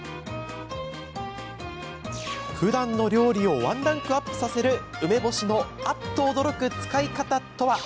ふだんの料理をワンランクアップさせる梅干しのあっと驚く使い方とは？